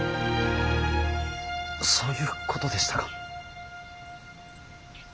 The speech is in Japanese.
そういうことでしたか。